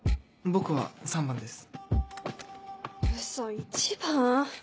僕は６番です。